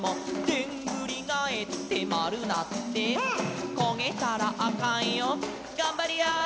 「でんぐりがえってまるなって」「こげたらあかんよがんばりやー」